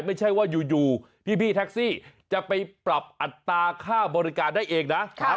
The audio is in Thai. ไม่ใช่ว่าอยู่พี่แท็กซี่จะไปปรับอัตราค่าบริการได้เองนะ